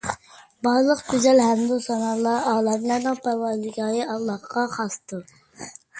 بارلىق گۈزەل ھەمدۇسانالار ئالەملەرنىڭ پەرۋەردىگارى ئاللاھقا خاستۇر